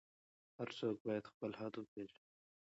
هر څوک باید خپل حد وپیژني.